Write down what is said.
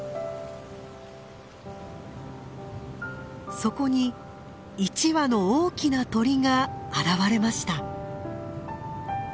そこに一羽の大きな鳥が現れました。